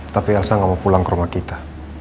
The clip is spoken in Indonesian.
tapi elsa gak mau pulang ke rumah kita